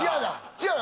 違う。